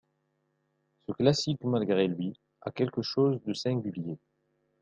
Ce classique malgré lui a quelque chose de singulier.